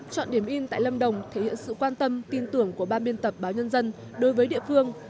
chọn điểm in tại lâm đồng thể hiện sự quan tâm tin tưởng của ban biên tập báo nhân dân đối với địa phương